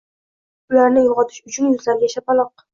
Ularni uyg‘otish uchun yuzlariga shapaloq.